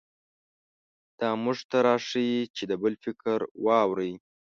دا موږ ته راښيي چې د بل فکر واورئ.